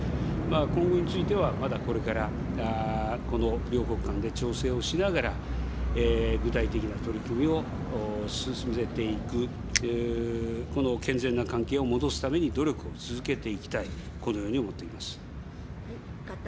今後については、まだこれからこの両国間で調整をしながら、具体的な取り組みを進めていく、この健全な関係を戻すために努力を続けていきたい、このように思っています。